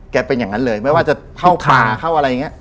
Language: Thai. แกเป็นยังไม่ว่าทางเข้าสมบัติ